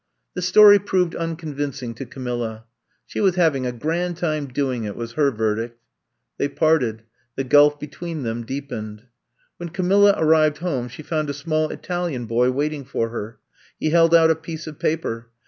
The story proved unconvincing to Camilla. '* She was having a grand time doing it, '' was her verdict. They parted; the gulf between them deepened. When Camilla arrived home she found a small Italian boy waiting for her. He held out a piece of paper.